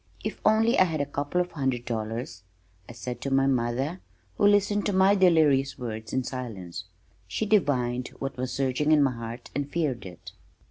"If only I had a couple of hundred dollars," I said to my mother who listened to my delirious words in silence. She divined what was surging in my heart and feared it.